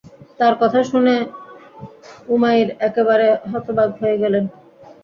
তার কথা শুনে উমাইর একেবারে হতবাক হয়ে গেলেন।